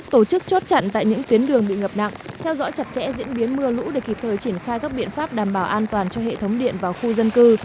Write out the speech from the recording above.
tổ chức chốt chặn tại những tuyến đường bị ngập nặng theo dõi chặt chẽ diễn biến mưa lũ để kịp thời triển khai các biện pháp đảm bảo an toàn cho hệ thống điện và khu dân cư